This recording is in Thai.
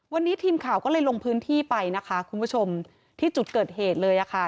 วันนี้ทีมข่าวก็เลยลงพื้นที่ไปนะคะคุณผู้ชมที่จุดเกิดเหตุเลยอ่ะค่ะ